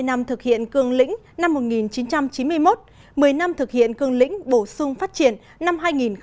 ba mươi năm thực hiện cương lĩnh năm một nghìn chín trăm chín mươi một một mươi năm thực hiện cương lĩnh bổ sung phát triển năm hai nghìn một mươi một